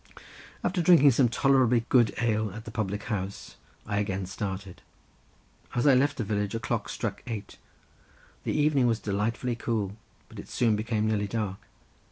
After drinking some tolerably good ale in the public house I again started. As I left the village a clock struck eight. The evening was delightfully cool; but it soon became nearly dark.